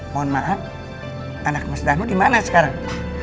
mohon maaf anak mas danu dimana sekarang